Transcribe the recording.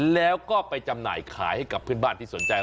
แล้วก็ไปจำหน่ายขายให้กับเพื่อนบ้านที่สนใจ